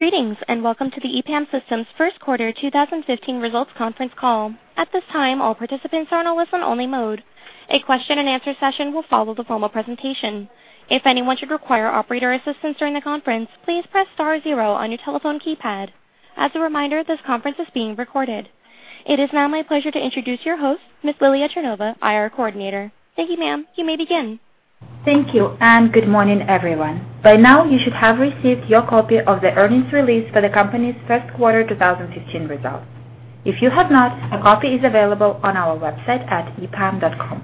Greetings, and welcome to the EPAM Systems Q1 2015 Results Conference Call. At this time, all participants are on a listen-only mode. A Q&A session will follow the formal presentation. If anyone should require operator assistance during the conference, please press star zero on your telephone keypad. As a reminder, this conference is being recorded. It is now my pleasure to introduce your host, Ms. Lilia Chernova, IR coordinator. Thank you, ma'am. You may begin. Thank you, and good morning, everyone. By now, you should have received your copy of the earnings release for the company's Q1 2015 results. If you have not, a copy is available on our website at epam.com.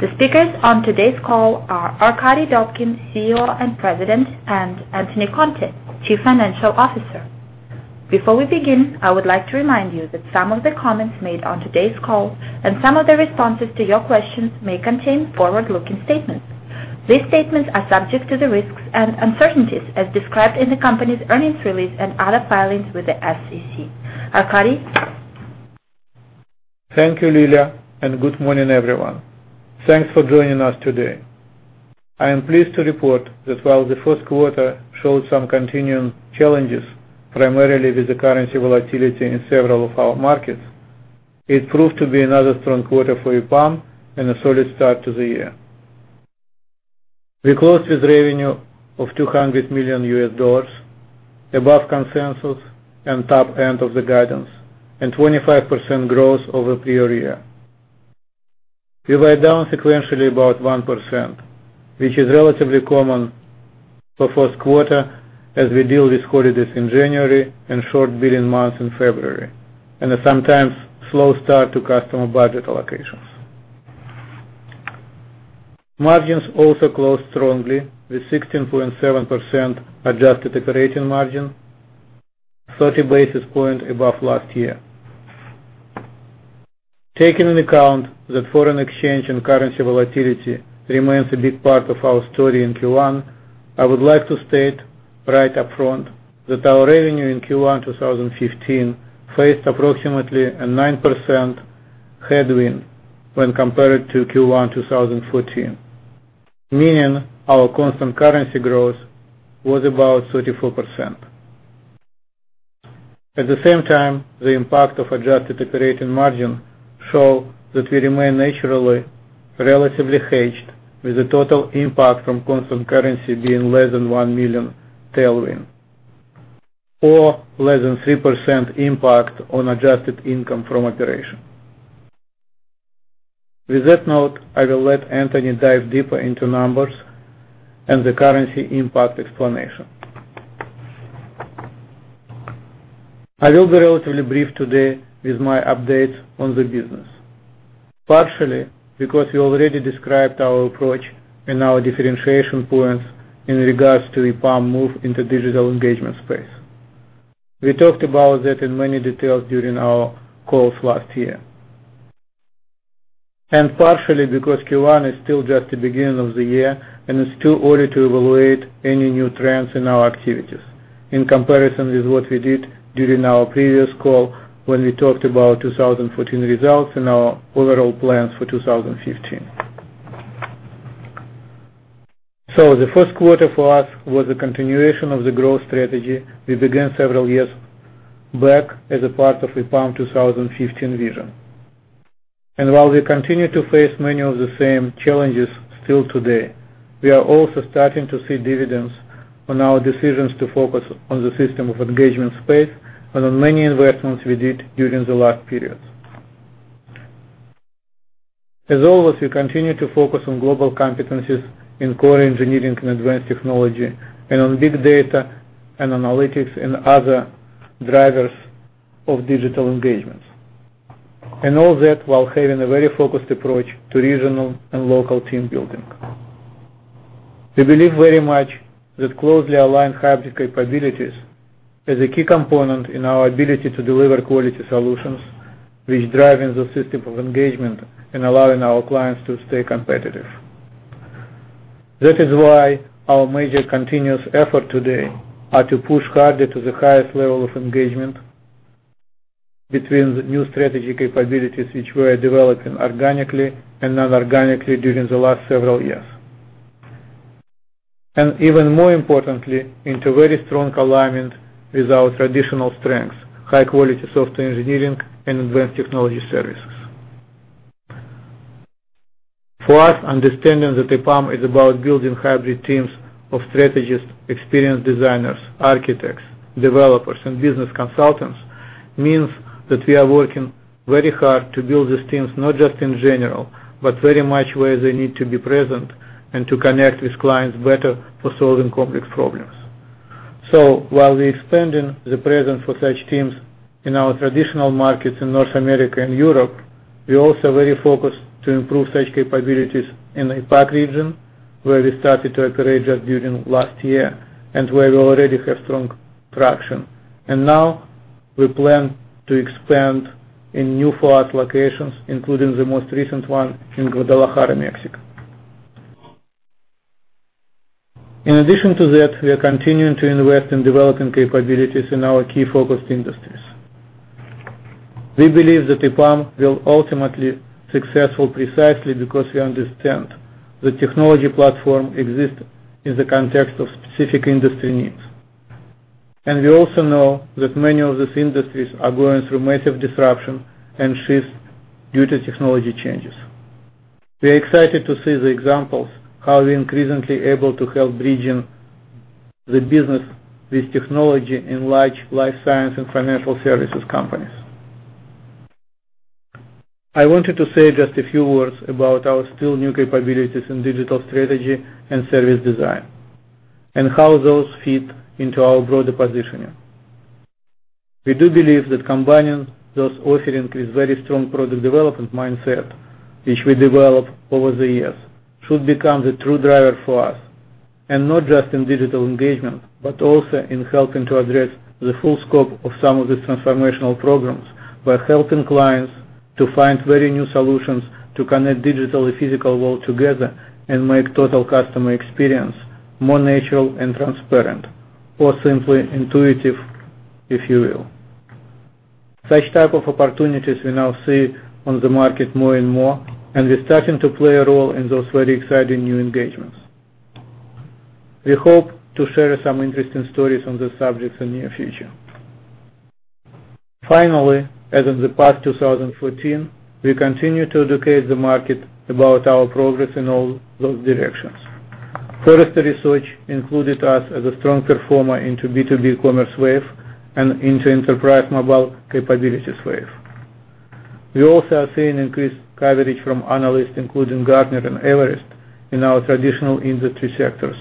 The speakers on today's call are Arkadiy Dobkin, CEO and President, and Anthony Conti, Chief Financial Officer. Before we begin, I would like to remind you that some of the comments made on today's call and some of the responses to your questions may contain forward-looking statements. These statements are subject to the risks and uncertainties as described in the company's earnings release and other filings with the SEC. Arkadiy? Thank you, Lilia, and good morning, everyone. Thanks for joining us today. I am pleased to report that while the Q1 showed some continuing challenges, primarily with the currency volatility in several of our markets, it proved to be another strong quarter for EPAM and a solid start to the year. We closed with revenue of $200 million, above consensus and top end of the guidance, and 25% growth over prior year. We were down sequentially about 1%, which is relatively common for Q1 as we deal with holidays in January and short billing months in February, and a sometimes slow start to customer budget allocations. Margins also closed strongly, with 16.7% adjusted operating margin, 30 basis point above last year. Taking into account that foreign exchange and currency volatility remains a big part of our story in Q1, I would like to state right upfront that our revenue in Q1 2015 faced approximately a 9% headwind when compared to Q1 2014, meaning our constant currency growth was about 34%. At the same time, the impact of adjusted operating margin show that we remain naturally relatively hedged, with the total impact from constant currency being less than $1 million tailwind or less than 3% impact on adjusted income from operation. With that note, I will let Anthony dive deeper into numbers and the currency impact explanation. I will be relatively brief today with my updates on the business, partially because we already described our approach and our differentiation points in regards to EPAM move into digital engagement space. We talked about that in many details during our calls last year. Partially because Q1 is still just the beginning of the year, and it's too early to evaluate any new trends in our activities in comparison with what we did during our previous call when we talked about 2014 results and our overall plans for 2015. The Q1 for us was a continuation of the growth strategy we began several years back as a part of EPAM 2015 vision. While we continue to face many of the same challenges still today, we are also starting to see dividends on our decisions to focus on the system of engagement space and on many investments we did during the last periods. As always, we continue to focus on global competencies in core engineering and advanced technology, and on Big Data and analytics and other drivers of digital engagements, and all that while having a very focused approach to regional and local team building. We believe very much that closely aligned hybrid capabilities is a key component in our ability to deliver quality solutions, which driving the system of engagement and allowing our clients to stay competitive. That is why our major continuous effort today are to push harder to the highest level of engagement between the new strategy capabilities, which we are developing organically and non-organically during the last several years. And even more importantly, into very strong alignment with our traditional strengths, high quality software engineering and advanced technology services. For us, understanding that EPAM is about building hybrid teams of strategists, experienced designers, architects, developers, and business consultants means that we are working very hard to build these teams, not just in general, but very much where they need to be present and to connect with clients better for solving complex problems. So while we are expanding the presence for such teams in our traditional markets in North America and Europe, we are also very focused to improve such capabilities in the APAC region, where we started to operate just during last year and where we already have strong traction. Now we plan to expand in new forward locations, including the most recent one in Guadalajara, Mexico. In addition to that, we are continuing to invest in developing capabilities in our key focused industries. We believe that EPAM will ultimately be successful precisely because we understand the technology platform exists in the context of specific industry needs. We also know that many of these industries are going through massive disruption and shifts due to technology changes. We are excited to see the examples, how we're increasingly able to help bridging the business with technology in large life sciences and financial services companies. I wanted to say just a few words about our still new capabilities in digital strategy and service design, and how those fit into our broader positioning. We do believe that combining those offerings with very strong product development mindset, which we develop over the years, should become the true driver for us, and not just in digital engagement, but also in helping to address the full scope of some of these transformational programs by helping clients to find very new solutions to connect digital and physical world together and make total customer experience more natural and transparent, or simply intuitive, if you will. Such type of opportunities we now see on the market more and more, and we're starting to play a role in those very exciting new engagements. We hope to share some interesting stories on this subject in the near future. Finally, as in the past 2014, we continue to educate the market about our progress in all those directions. Forrester Research included us as a strong performer into B2B Commerce Wave and into Enterprise Mobile Capabilities Wave. We also are seeing increased coverage from analysts, including Gartner and Everest, in our traditional industry sectors,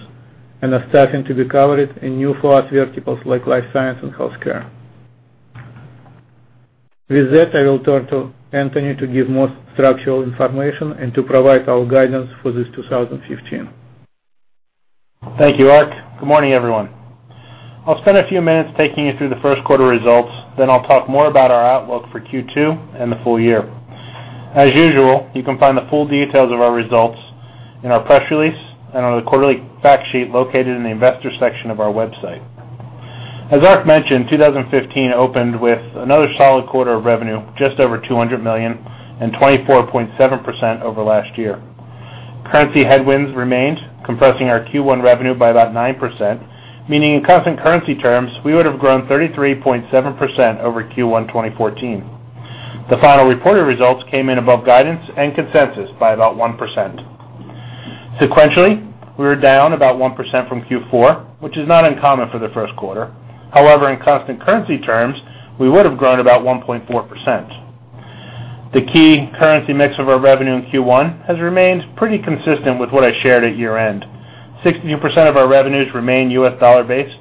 and are starting to be covered in new for us verticals like life science and healthcare. With that, I will turn to Anthony to give more structural information and to provide our guidance for this 2015. Thank you, Ark. Good morning, everyone. I'll spend a few minutes taking you through the Q1 results, then I'll talk more about our outlook for Q2 and the full year. As usual, you can find the full details of our results in our press release and on the quarterly fact sheet located in the investor section of our website. As Ark mentioned, 2015 opened with another solid quarter of revenue, just over $200 million and 24.7% over last year. Currency headwinds remained, compressing our Q1 revenue by about 9%, meaning in constant currency terms, we would have grown 33.7% over Q1 2014. The final reported results came in above guidance and consensus by about 1%. Sequentially, we were down about 1% from Q4, which is not uncommon for the Q1. However, in constant currency terms, we would have grown about 1.4%. The key currency mix of our revenue in Q1 has remained pretty consistent with what I shared at year-end. 62% of our revenues remain U.S. dollar-based.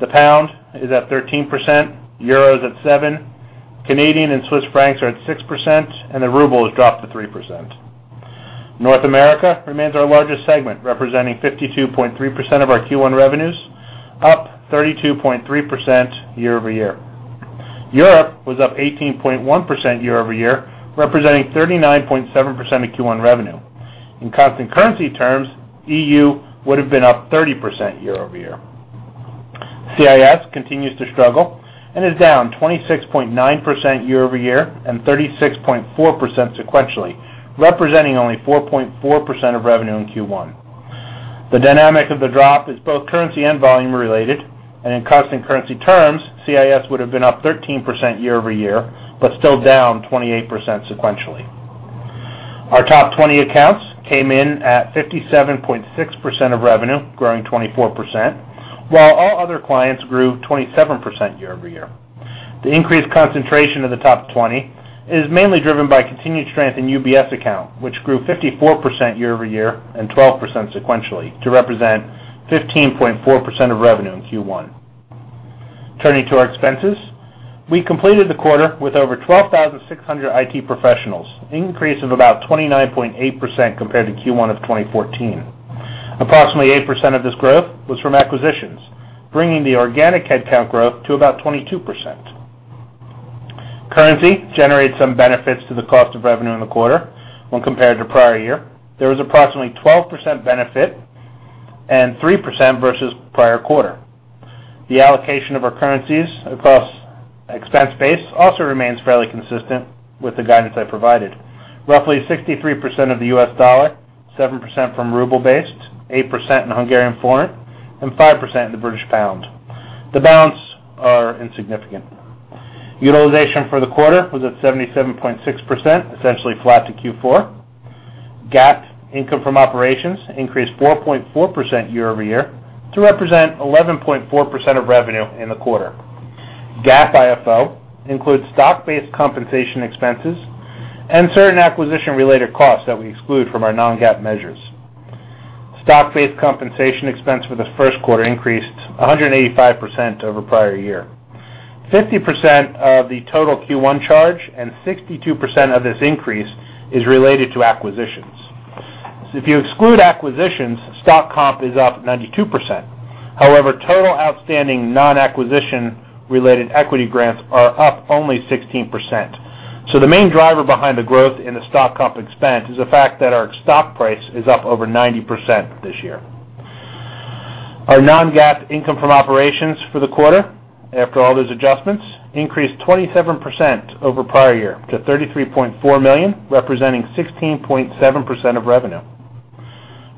The pound is at 13%, euros at 7%, Canadian and Swiss francs are at 6%, and the ruble has dropped to 3%. North America remains our largest segment, representing 52.3% of our Q1 revenues, up 32.3% year-over-year. Europe was up 18.1% year-over-year, representing 39.7% of Q1 revenue. In constant currency terms, Europe would have been up 30% year-over-year. CIS continues to struggle and is down 26.9% year-over-year and 36.4% sequentially, representing only 4.4% of revenue in Q1. The dynamic of the drop is both currency and volume-related, and in constant currency terms, CIS would have been up 13% year-over-year, but still down 28% sequentially. Our top 20 accounts came in at 57.6% of revenue, growing 24%, while all other clients grew 27% year-over-year. The increased concentration of the top 20 is mainly driven by continued strength in UBS account, which grew 54% year-over-year and 12% sequentially, to represent 15.4% of revenue in Q1. Turning to our expenses, we completed the quarter with over 12,600 IT professionals, an increase of about 29.8% compared to Q1 of 2014. Approximately 8% of this growth was from acquisitions, bringing the organic headcount growth to about 22%. Currency generated some benefits to the cost of revenue in the quarter when compared to prior year. There was approximately 12% benefit and 3% versus prior quarter. The allocation of our currencies across expense base also remains fairly consistent with the guidance I provided. Roughly 63% of the US dollar, 7% from ruble-based, 8% in Hungarian forint, and 5% in the British pound. The balance are insignificant. Utilization for the quarter was at 77.6%, essentially flat to Q4. GAAP income from operations increased 4.4% year-over-year to represent 11.4% of revenue in the quarter. GAAP IFO includes stock-based compensation expenses and certain acquisition-related costs that we exclude from our non-GAAP measures. Stock-based compensation expense for the Q1 increased 185% over prior year. 50% of the total Q1 charge and 62% of this increase is related to acquisitions. So if you exclude acquisitions, stock comp is up 92%. However, total outstanding non-acquisition-related equity grants are up only 16%. So the main driver behind the growth in the stock comp expense is the fact that our stock price is up over 90% this year.... Our non-GAAP income from operations for the quarter, after all those adjustments, increased 27% over prior year to $33.4 million, representing 16.7% of revenue.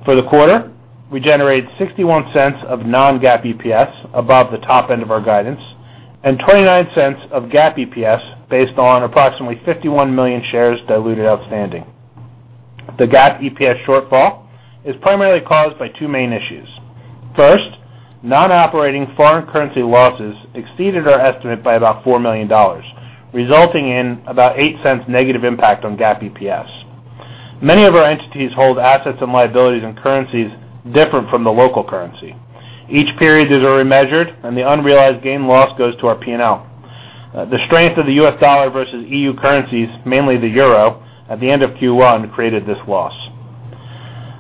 For the quarter, we generated $0.61 of non-GAAP EPS above the top end of our guidance, and $0.29 of GAAP EPS based on approximately 51 million shares diluted outstanding. The GAAP EPS shortfall is primarily caused by two main issues. First, non-operating foreign currency losses exceeded our estimate by about $4 million, resulting in about $0.08 negative impact on GAAP EPS. Many of our entities hold assets and liabilities and currencies different from the local currency. Each period is remeasured, and the unrealized gain loss goes to our P&L. The strength of the U.S. dollar versus E.U. currencies, mainly the euro, at the end of Q1, created this loss.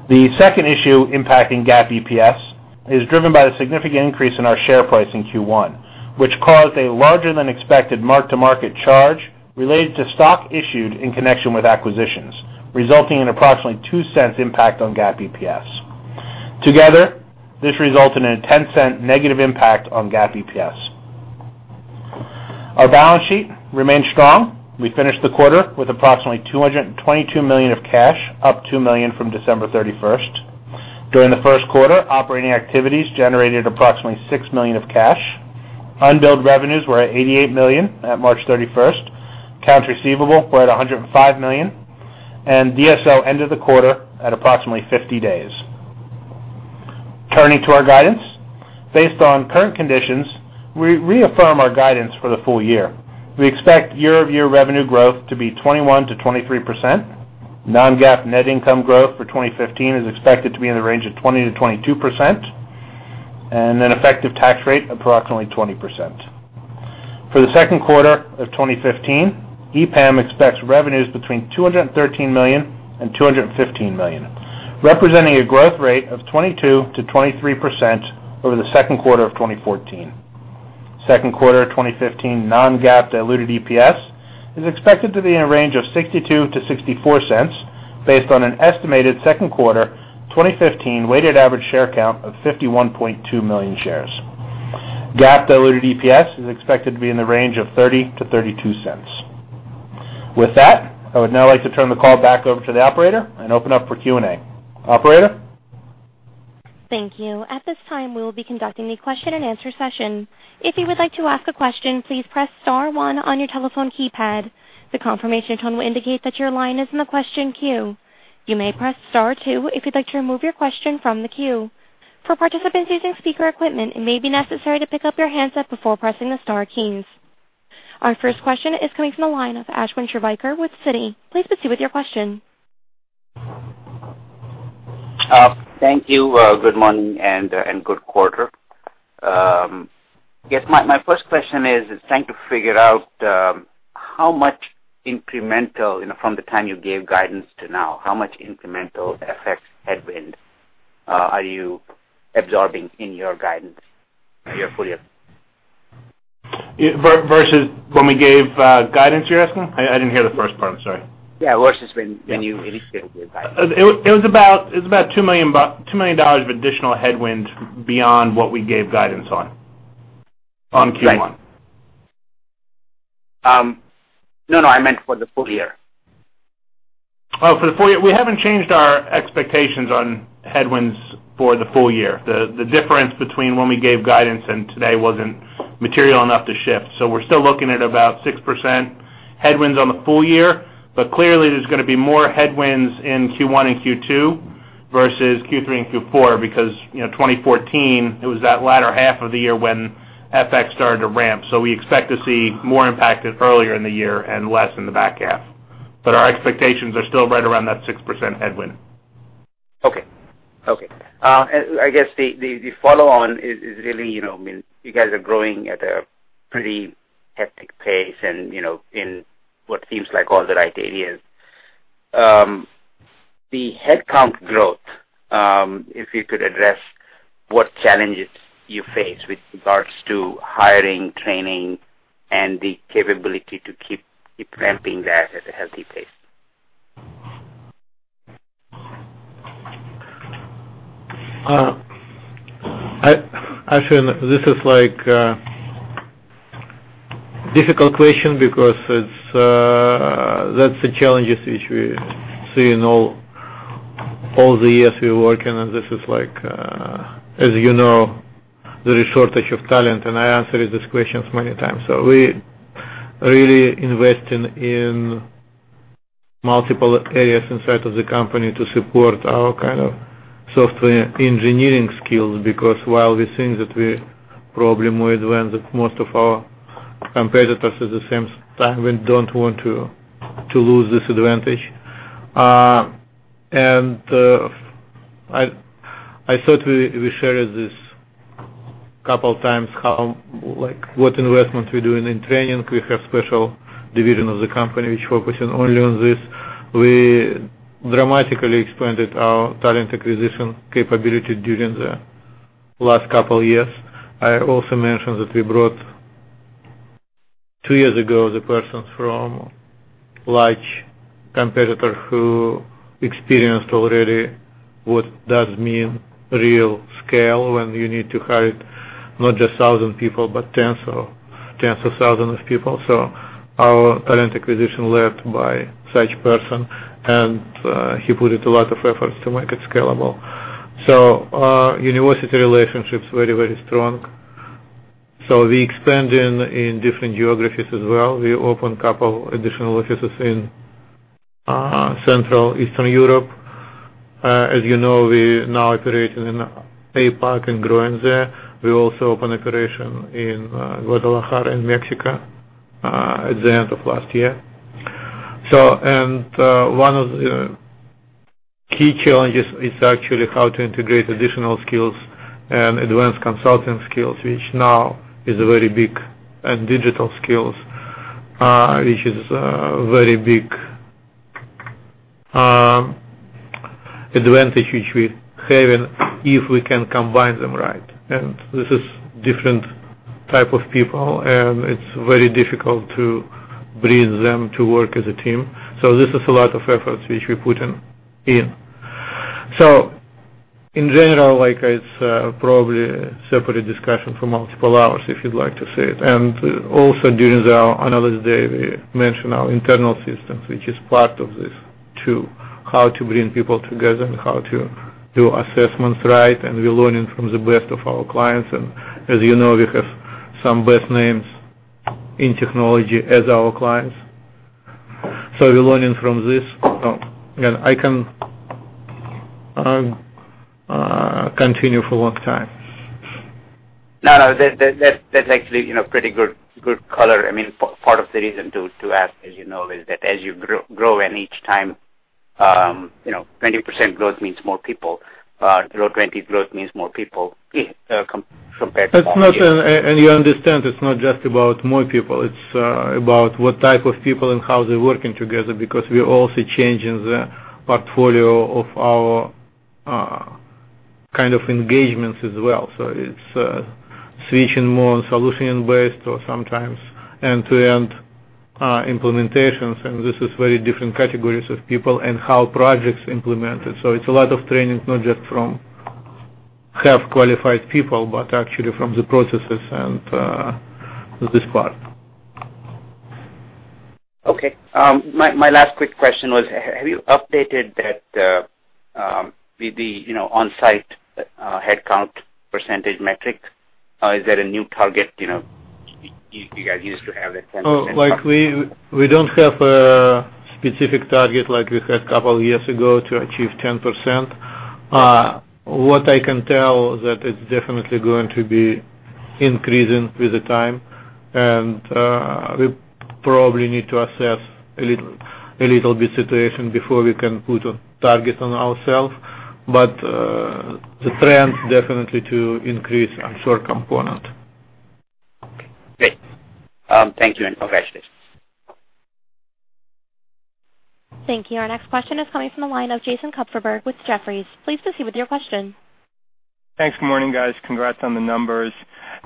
The second issue impacting GAAP EPS is driven by a significant increase in our share price in Q1, which caused a larger than expected mark-to-market charge related to stock issued in connection with acquisitions, resulting in approximately $0.02 impact on GAAP EPS. Together, this resulted in a $0.10 negative impact on GAAP EPS. Our balance sheet remained strong. We finished the quarter with approximately $222 million of cash, up $2 million from December 31. During the Q1, operating activities generated approximately $6 million of cash. Unbilled revenues were at $88 million at March 31. Accounts receivable were at $105 million, and DSO ended the quarter at approximately 50 days. Turning to our guidance. Based on current conditions, we reaffirm our guidance for the full year. We expect year-over-year revenue growth to be 21%-23%. Non-GAAP net income growth for 2015 is expected to be in the range of 20%-22%, and an effective tax rate, approximately 20%. For the Q2 of 2015, EPAM expects revenues between $213 million and $215 million, representing a growth rate of 22%-23% over the Q2 of 2014. Q2 of 2015, non-GAAP diluted EPS is expected to be in a range of $0.62-$0.64, based on an estimated Q2 2015 weighted average share count of 51.2 million shares. GAAP diluted EPS is expected to be in the range of $0.30-$0.32. With that, I would now like to turn the call back over to the operator and open up for Q&A. Operator? Thank you. At this time, we will be conducting a Q&A session. If you would like to ask a question, please press star one on your telephone keypad. The confirmation tone will indicate that your line is in the question queue. You may press star two if you'd like to remove your question from the queue. For participants using speaker equipment, it may be necessary to pick up your handset before pressing the star keys. Our first question is coming from the line of Ashwin Shirvaikar with Citi. Please proceed with your question. Thank you. Good morning and good quarter. Yes, my first question is trying to figure out, you know, from the time you gave guidance to now, how much incremental FX headwind are you absorbing in your guidance for your full year? Yeah, versus when we gave guidance, you're asking? I, I didn't hear the first part, I'm sorry. Yeah, versus when you initially gave the advice. It was about $2 million of additional headwind beyond what we gave guidance on Q1. Right. No, no, I meant for the full year. Oh, for the full year. We haven't changed our expectations on headwinds for the full year. The difference between when we gave guidance and today wasn't material enough to shift. So we're still looking at about 6% headwinds on the full year, but clearly, there's gonna be more headwinds in Q1 and Q2 versus Q3 and Q4, because, you know, 2014, it was that latter half of the year when FX started to ramp. So we expect to see more impacted earlier in the year and less in the back half. But our expectations are still right around that 6% headwind. Okay. Okay. And I guess the follow-on is really, you know, I mean, you guys are growing at a pretty hectic pace and, you know, in what seems like all the right areas. The headcount growth, if you could address what challenges you face with regards to hiring, training, and the capability to keep ramping that at a healthy pace? Ashwin, this is like a difficult question because it's, that's a challenges which we see in all the years we're working, and this is like, as you know, there is shortage of talent, and I answered these questions many times. So we really investing in multiple areas inside of the company to support our kind of software engineering skills, because while we think that we're problem with when the most of our competitors at the same time, we don't want to lose this advantage. And I thought we shared this couple of times, how, like, what investments we're doing in training. We have special division of the company which focusing only on this. We dramatically expanded our talent acquisition capability during the last couple of years. I also mentioned that we brought-... Two years ago, the person from large competitor who experienced already what does mean real scale when you need to hire not just 1,000 people, but tens or tens of thousands of people. So our talent acquisition led by such person, and he put it a lot of efforts to make it scalable. So, university relationships very, very strong. So we expanding in different geographies as well. We opened a couple additional offices in, Central Eastern Europe. As you know, we now operating in APAC and growing there. We also open operation in, Guadalajara in Mexico, at the end of last year. So, one of the key challenges is actually how to integrate additional skills and advanced consulting skills, which now is a very big, and digital skills, which is a very big, advantage which we having if we can combine them right. And this is different type of people, and it's very difficult to bring them to work as a team. So this is a lot of efforts which we're putting in. So in general, like, it's probably a separate discussion for multiple hours, if you'd like to say it. And also during the Analyst Day, we mentioned our internal systems, which is part of this, too. How to bring people together and how to do assessments right, and we're learning from the best of our clients. And as you know, we have some best names in technology as our clients. So we're learning from this. I can continue for a long time. No, no, that's actually, you know, pretty good, good color. I mean, part of the reason to ask, as you know, is that as you grow and each time, you know, 20% growth means more people, growth, 20% growth means more people, compared to- It's not, and, and you understand it's not just about more people, it's about what type of people and how they're working together, because we're also changing the portfolio of our kind of engagements as well. So it's switching more solution-based or sometimes end-to-end implementations, and this is very different categories of people and how projects implemented. So it's a lot of training, not just from have qualified people, but actually from the processes and this part. Okay. My, my last quick question was, have you updated that, with the, you know, on-site, headcount percentage metric? Is there a new target? You know, you, you guys used to have a 10%- Oh, like, we, we don't have a specific target like we had a couple years ago to achieve 10%. What I can tell that it's definitely going to be increasing with the time, and we probably need to assess a little, a little bit situation before we can put a target on ourselves. But, the trend definitely to increase our shore component. Okay, great. Thank you, and congratulations. Thank you. Our next question is coming from the line of Jason Kupferberg with Jefferies. Please proceed with your question. Thanks. Good morning, guys. Congrats on the numbers.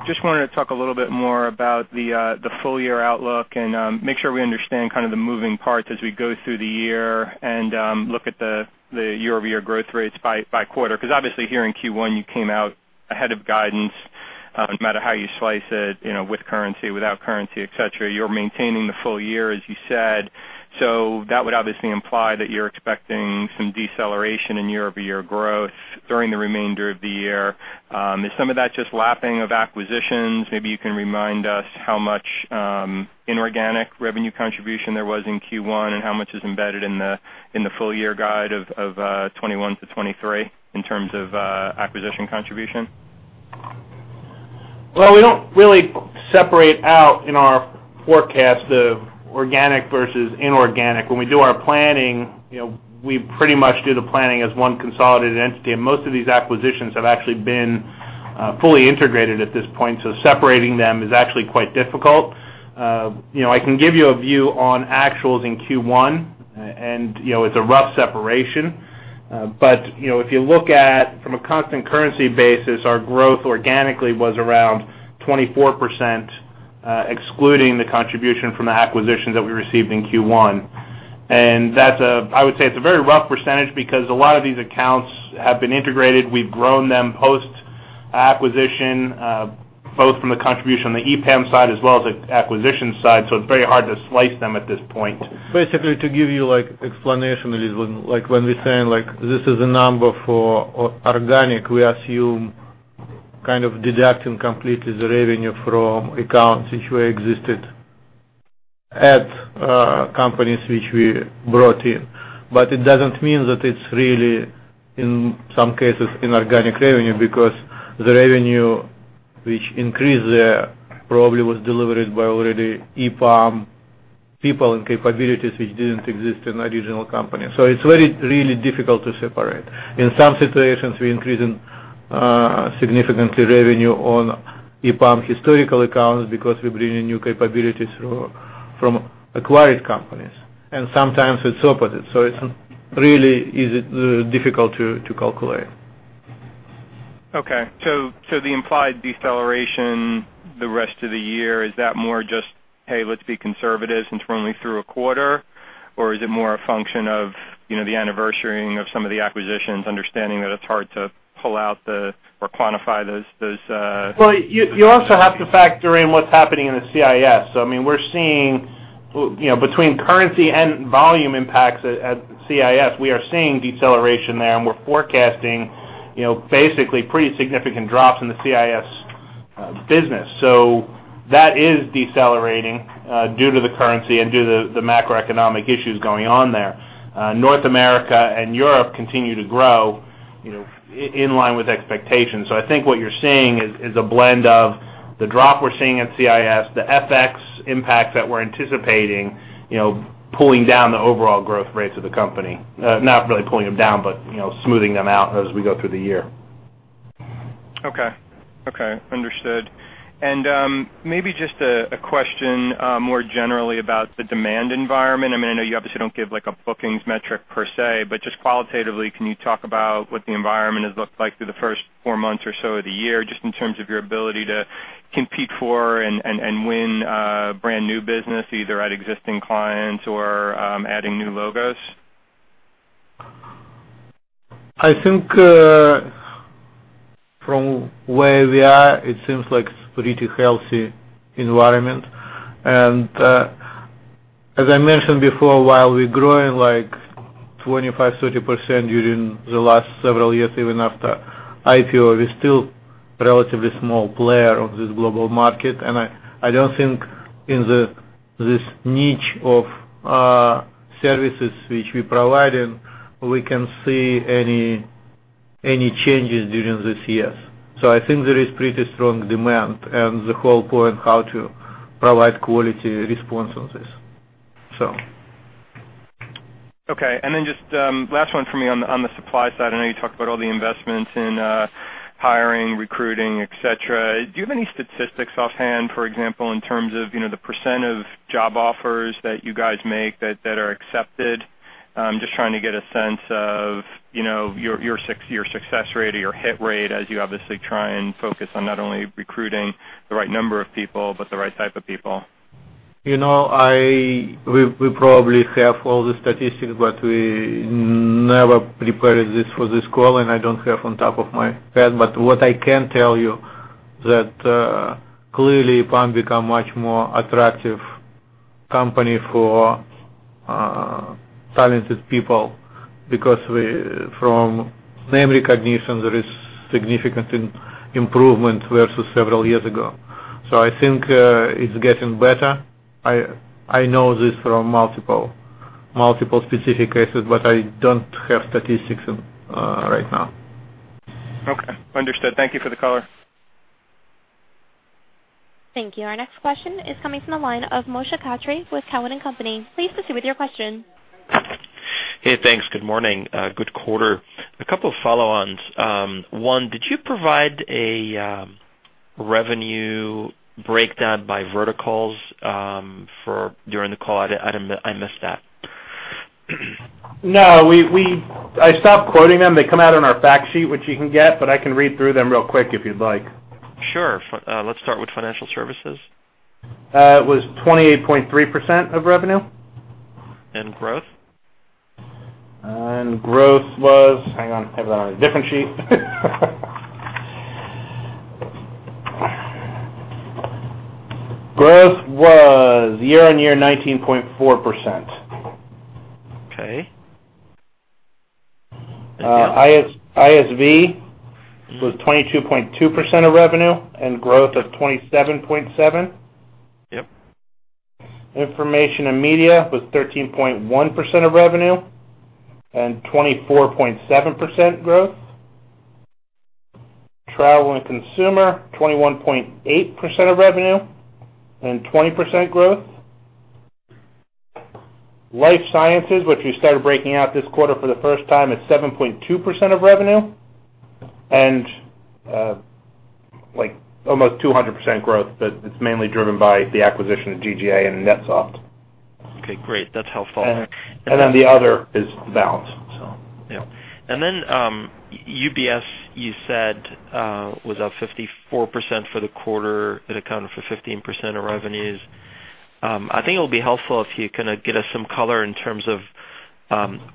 Just wanted to talk a little bit more about the, the full year outlook and, make sure we understand kind of the moving parts as we go through the year and, look at the, the year-over-year growth rates by, by quarter. Because obviously here in Q1, you came out ahead of guidance, no matter how you slice it, you know, with currency, without currency, et cetera, you're maintaining the full year, as you said. So that would obviously imply that you're expecting some deceleration in year-over-year growth during the remainder of the year. Is some of that just lapping of acquisitions? Maybe you can remind us how much inorganic revenue contribution there was in Q1, and how much is embedded in the full year guide of 21-23 in terms of acquisition contribution? Well, we don't really separate out in our forecast the organic versus inorganic. When we do our planning, you know, we pretty much do the planning as one consolidated entity, and most of these acquisitions have actually been fully integrated at this point, so separating them is actually quite difficult. You know, I can give you a view on actuals in Q1, and, you know, it's a rough separation. But, you know, if you look at from a constant currency basis, our growth organically was around 24%, excluding the contribution from the acquisitions that we received in Q1. And that's, I would say, a very rough percentage because a lot of these accounts have been integrated. We've grown them post-acquisition, both from the contribution on the EPAM side as well as the acquisition side, so it's very hard to slice them at this point. Basically, to give you, like, explanation, it is when, like, when we're saying like, this is a number for organic, we assume kind of deducting completely the revenue from accounts which were existed at companies which we brought in. But it doesn't mean that it's really, in some cases, inorganic revenue, because the revenue which increased there probably was delivered by already EPAM people and capabilities which didn't exist in original company. So it's very, really difficult to separate. In some situations, we increase in significantly revenue on EPAM historical accounts because we bring in new capabilities through, from acquired companies, and sometimes it's opposite. So it's really is difficult to calculate.... Okay, so the implied deceleration the rest of the year, is that more just, hey, let's be conservative since we're only through a quarter? Or is it more a function of, you know, the anniversarying of some of the acquisitions, understanding that it's hard to pull out or quantify those? Well, you also have to factor in what's happening in the CIS. So I mean, we're seeing, you know, between currency and volume impacts at CIS, we are seeing deceleration there, and we're forecasting, you know, basically pretty significant drops in the CIS business. So that is decelerating due to the currency and due to the macroeconomic issues going on there. North America and Europe continue to grow, you know, in line with expectations. So I think what you're seeing is a blend of the drop we're seeing at CIS, the FX impact that we're anticipating, you know, pulling down the overall growth rates of the company. Not really pulling them down, but, you know, smoothing them out as we go through the year. Okay. Okay, understood. Maybe just a question more generally about the demand environment. I mean, I know you obviously don't give, like, a bookings metric per se, but just qualitatively, can you talk about what the environment has looked like through the first four months or so of the year, just in terms of your ability to compete for and win brand new business, either at existing clients or adding new logos? I think, from where we are, it seems like it's pretty healthy environment. And, as I mentioned before, while we're growing, like, 25%-30% during the last several years, even after IPO, we're still relatively small player of this global market. And I don't think in this niche of services which we provide in, we can see any changes during this year. So I think there is pretty strong demand and the whole point, how to provide quality response on this, so. Okay. And then just, last one for me on, on the supply side. I know you talked about all the investments in, hiring, recruiting, et cetera. Do you have any statistics offhand, for example, in terms of, you know, the percent of job offers that you guys make that are accepted? I'm just trying to get a sense of, you know, your success rate or your hit rate as you obviously try and focus on not only recruiting the right number of people, but the right type of people. You know, we, we probably have all the statistics, but we never prepared this for this call, and I don't have on top of my head. But what I can tell you that clearly, EPAM become much more attractive company for talented people because from name recognition, there is significant improvement versus several years ago. So I think it's getting better. I know this from multiple, multiple specific cases, but I don't have statistics right now. Okay, understood. Thank you for the color. Thank you. Our next question is coming from the line of Moshe Katri with Cowen and Company. Please proceed with your question. Hey, thanks. Good morning. Good quarter. A couple of follow-ons. One, did you provide a revenue breakdown by verticals for during the call? I missed that. No, I stopped quoting them. They come out on our fact sheet, which you can get, but I can read through them real quick if you'd like. Sure. Let's start with financial services. It was 28.3% of revenue. And growth? Growth was... Hang on. I have that on a different sheet. Growth was year-on-year 19.4%. Okay. ISV was 22.2% of revenue, and growth of 27.7%. Yep. Information and media was 13.1% of revenue and 24.7% growth. Travel and consumer, 21.8% of revenue and 20% growth. Life sciences, which we started breaking out this quarter for the first time, is 7.2% of revenue and, like, almost 200% growth, but it's mainly driven by the acquisition of GGA and NetSoft. Okay, great. That's helpful. The other is balance, so. Yeah. And then, UBS, you said, was up 54% for the quarter. It accounted for 15% of revenues. I think it'll be helpful if you kind of get us some color in terms of,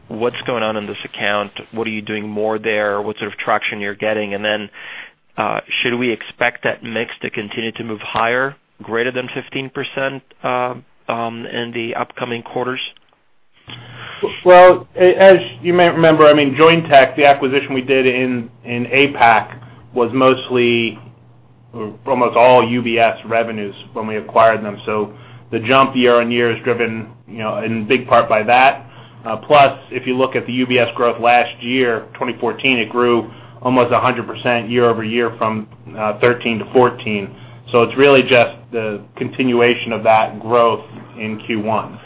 what's going on in this account. What are you doing more there? What sort of traction you're getting? And then, should we expect that mix to continue to move higher, greater than 15%, in the upcoming quarters? Well, as you may remember, I mean, Jointech, the acquisition we did in APAC, was mostly almost all UBS revenues when we acquired them. So the jump year-over-year is driven, you know, in big part by that. Plus, if you look at the UBS growth last year, 2014, it grew almost 100% year-over-year from 2013 to 2014. So it's really just the continuation of that growth in Q1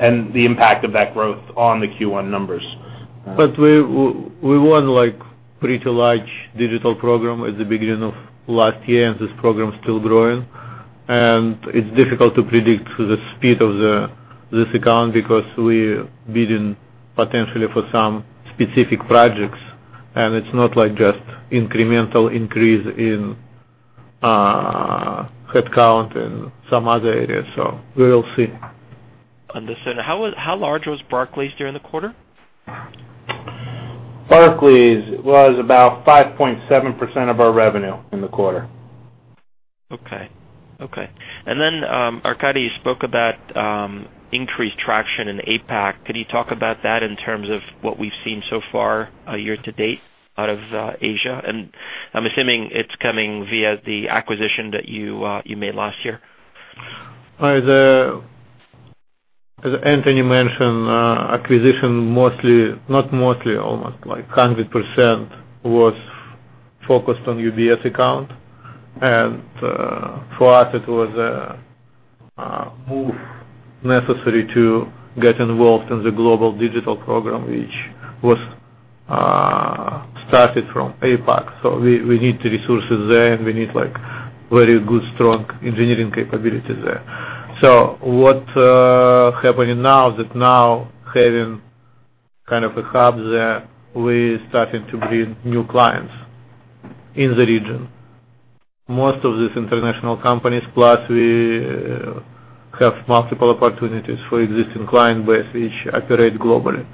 and the impact of that growth on the Q1 numbers. We won, like, pretty large digital program at the beginning of last year, and this program is still growing. It's difficult to predict the speed of this account, because we're bidding potentially for some specific projects, and it's not like just incremental increase in headcount in some other areas, so we will see. Understood. How large was Barclays during the quarter? Barclays was about 5.7% of our revenue in the quarter. Okay. Okay. And then, Arkadiy, you spoke about increased traction in APAC. Could you talk about that in terms of what we've seen so far, year to date out of Asia? And I'm assuming it's coming via the acquisition that you you made last year. As Anthony mentioned, the acquisition, mostly, not mostly, almost like 100%, was focused on the UBS account. And, for us, it was a move necessary to get involved in the global digital program, which was started from APAC. So we, we need the resources there, and we need, like, very good, strong engineering capabilities there. So what's happening now is that now having kind of a hub there, we're starting to bring new clients in the region. Most of these international companies, plus we have multiple opportunities for existing client base, which operate globally.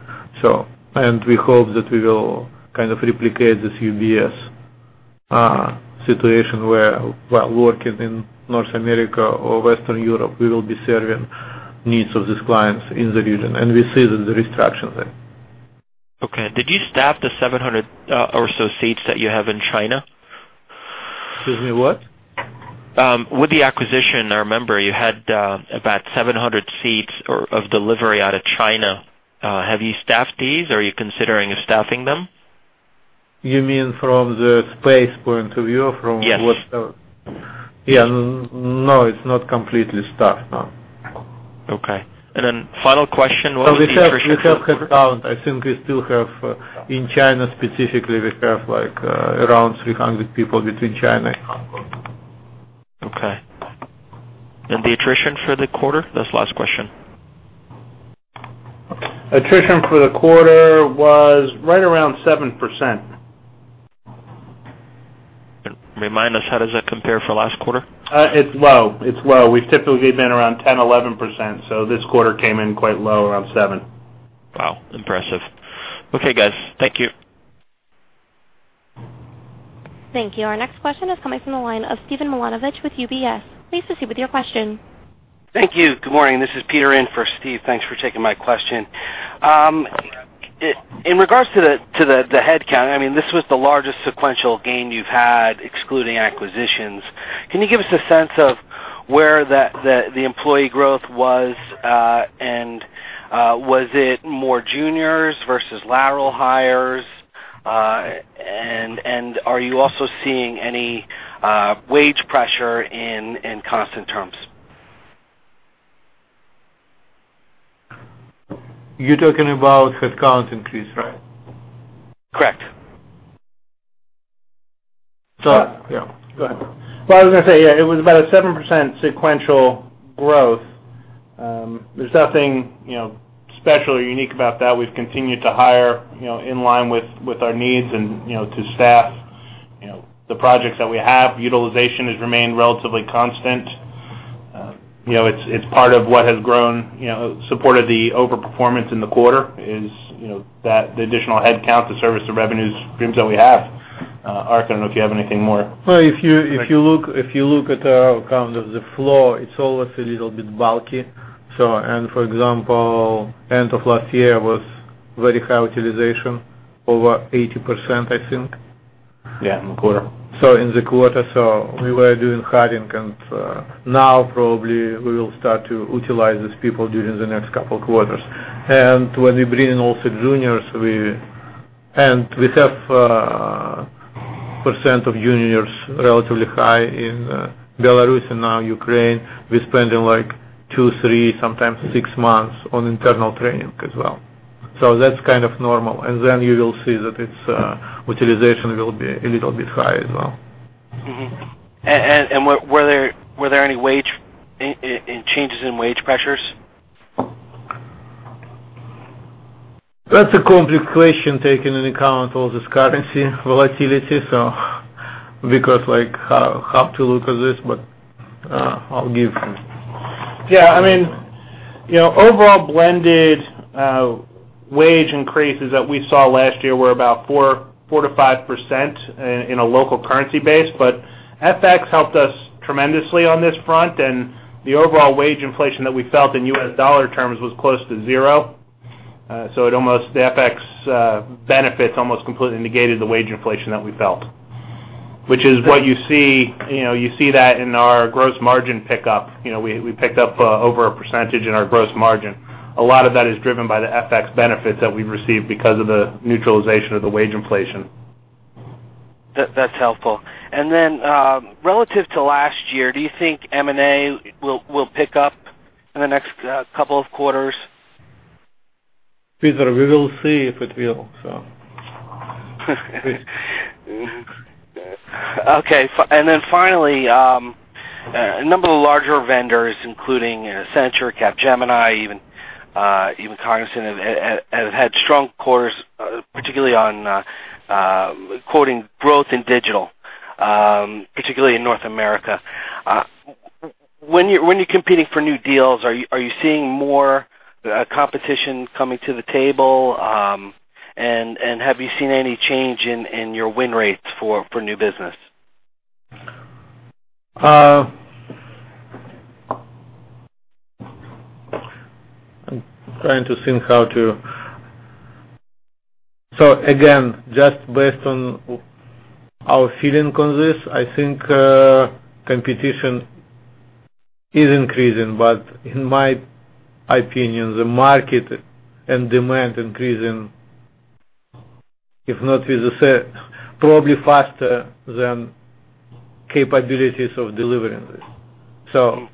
And we hope that we will kind of replicate this UBS situation where while working in North America or Western Europe, we will be serving needs of these clients in the region, and we see that there is traction there. Okay. Did you staff the 700 or so seats that you have in China? Excuse me, what? With the acquisition, I remember you had about 700 seats of delivery out of China. Have you staffed these, or are you considering staffing them? You mean from the space point of view, from what- Yes. Yeah. No, it's not completely staffed, no. Okay. Final question, what was the attrition- We have, we have headcount. I think we still have, in China specifically, we have, like, around 300 people between China. Okay. The attrition for the quarter? That's the last question. Attrition for the quarter was right around 7%. Remind us, how does that compare for last quarter? It's low. It's low. We've typically been around 10, 11%, so this quarter came in quite low, around 7%. Wow. Impressive. Okay, guys. Thank you. Thank you. Our next question is coming from the line of Steve Milunovich with UBS. Please proceed with your question. Thank you. Good morning. This is Peter in for Steve. Thanks for taking my question. In regards to the headcount, I mean, this was the largest sequential gain you've had, excluding acquisitions. Can you give us a sense of where the employee growth was, and was it more juniors versus lateral hires? And are you also seeing any wage pressure in constant terms? You're talking about headcount increase, right? Correct. Yeah, go ahead. Well, I was gonna say, yeah, it was about a 7% sequential growth. There's nothing, you know, special or unique about that. We've continued to hire, you know, in line with our needs and, you know, to staff, you know, the projects that we have. Utilization has remained relatively constant. You know, it's part of what has grown, you know, supported the overperformance in the quarter is, you know, that the additional headcount to service the revenue streams that we have. Ark, I don't know if you have anything more. Well, if you look at our account of the flow, it's always a little bit bulky. For example, end of last year was very high utilization over 80%, I think. Yeah, in the quarter. So in the quarter, we were doing hiring, and now probably we will start to utilize these people during the next couple of quarters. And when we bring in also juniors, we... And we have % of juniors relatively high in Belarus and now Ukraine. We're spending, like, two, three, sometimes six months on internal training as well. So that's kind of normal. And then you will see that it's utilization will be a little bit high as well. Mm-hmm. And were there any wage inflation and changes in wage pressures? That's a complex question, taking into account all this currency volatility. So because, like, how to look at this, but, I'll give. Yeah, I mean, you know, overall blended wage increases that we saw last year were about 4-5% in a local currency base, but FX helped us tremendously on this front, and the overall wage inflation that we felt in U.S. dollar terms was close to zero. So it almost, the FX benefits almost completely negated the wage inflation that we felt, which is what you see, you know, you see that in our gross margin pickup. You know, we, we picked up over a percentage in our gross margin. A lot of that is driven by the FX benefits that we've received because of the neutralization of the wage inflation. That's helpful. And then, relative to last year, do you think M&A will pick up in the next couple of quarters?... Peter, we will see if it will. So Okay. And then finally, a number of larger vendors, including, you know, Accenture, Capgemini, even, even Cognizant, have had strong quarters, particularly on quoting growth in digital, particularly in North America. When you're competing for new deals, are you seeing more competition coming to the table? And have you seen any change in your win rates for new business? So again, just based on our feeling on this, I think competition is increasing, but in my opinion, the market and demand increasing, if not with the same, probably faster than capabilities of delivering this.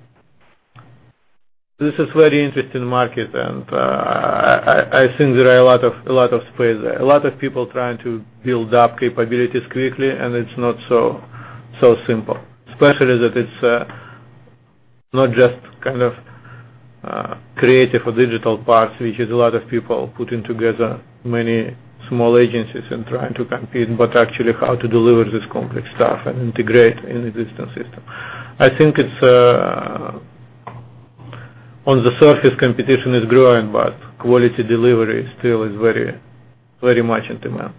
So this is very interesting market, and I think there are a lot of space there. A lot of people trying to build up capabilities quickly, and it's not so simple. Especially that it's not just kind of creative or digital parts, which is a lot of people putting together many small agencies and trying to compete, but actually how to deliver this complex stuff and integrate in existing system. I think it's on the surface, competition is growing, but quality delivery still is very much in demand.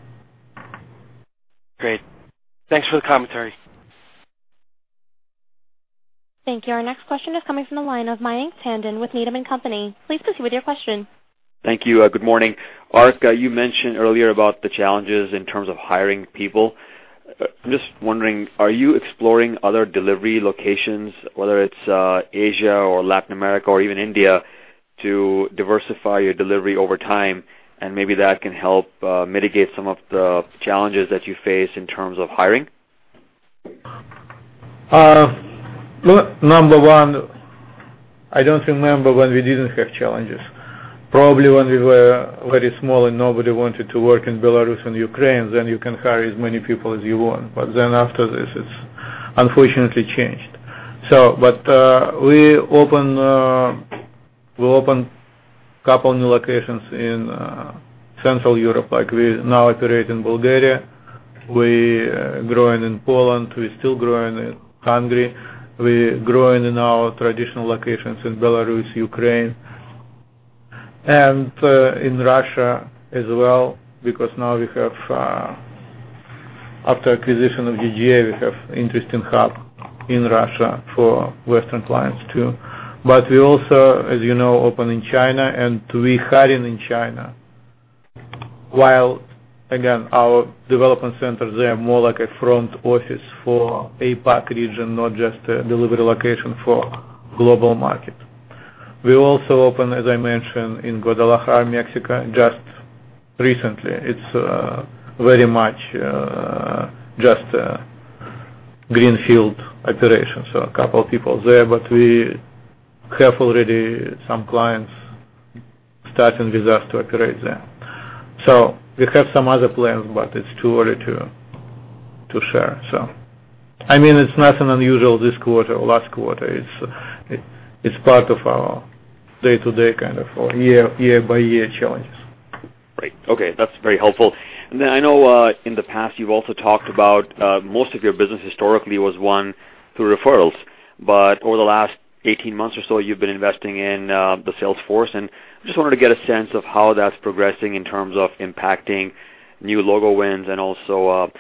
Great. Thanks for the commentary. Thank you. Our next question is coming from the line of Mayank Tandon with Needham & Company. Please proceed with your question. Thank you. Good morning. Ark, you mentioned earlier about the challenges in terms of hiring people. I'm just wondering, are you exploring other delivery locations, whether it's Asia or Latin America or even India, to diversify your delivery over time, and maybe that can help mitigate some of the challenges that you face in terms of hiring? Number one, I don't remember when we didn't have challenges. Probably when we were very small and nobody wanted to work in Belarus and Ukraine, then you can hire as many people as you want. But then after this, it's unfortunately changed. But we opened a couple new locations in Central Europe, like we now operate in Bulgaria. We growing in Poland, we're still growing in Hungary. We're growing in our traditional locations in Belarus, Ukraine, and in Russia as well, because now we have, after acquisition of GGA, we have interesting hub in Russia for Western clients, too. But we also, as you know, open in China, and we hiring in China. While, again, our development centers, they are more like a front office for APAC region, not just a delivery location for global market. We also open, as I mentioned, in Guadalajara, Mexico, just recently. It's very much just a greenfield operation, so a couple of people there, but we have already some clients starting with us to operate there. So we have some other plans, but it's too early to share. So I mean, it's nothing unusual this quarter or last quarter. It's part of our day-to-day, kind of, or year, year-by-year challenges. Great. Okay, that's very helpful. And then I know, in the past, you've also talked about, most of your business historically was won through referrals, but over the last 18 months or so, you've been investing in, the sales force. And I just wanted to get a sense of how that's progressing in terms of impacting new logo wins and also,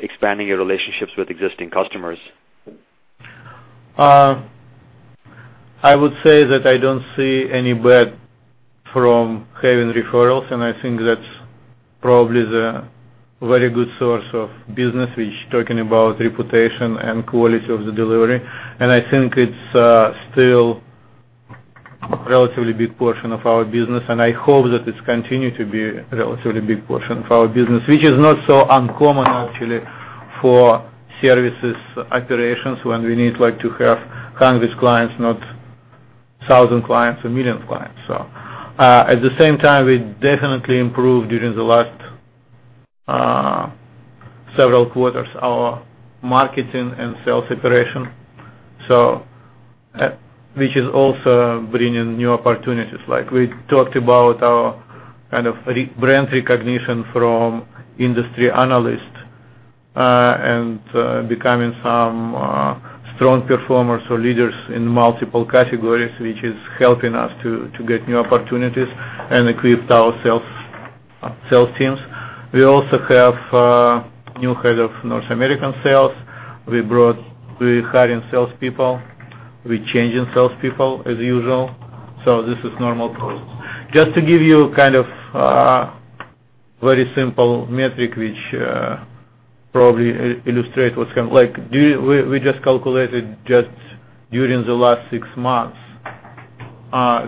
expanding your relationships with existing customers. I would say that I don't see any bad from having referrals, and I think that's probably the very good source of business, which talking about reputation and quality of the delivery. And I think it's still relatively big portion of our business, and I hope that it's continue to be a relatively big portion of our business, which is not so uncommon, actually, for services operations, when we need, like, to have hundreds clients, not thousand clients or million clients, so. At the same time, we definitely improved during the last several quarters, our marketing and sales operation, so, which is also bringing new opportunities. Like, we talked about our kind of rebrand recognition from industry analysts, and becoming some strong performers or leaders in multiple categories, which is helping us to get new opportunities and equip our sales sales teams. We also have new head of North American sales. We brought—we hiring salespeople, we changing salespeople, as usual, so this is normal process. Just to give you kind of very simple metric, which probably illustrate what's come—Like, do we, we just calculated just during the last 6 months,